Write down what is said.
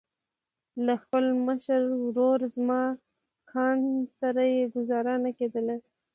له خپل مشر ورور زمان خان سره یې ګوزاره نه کېدله.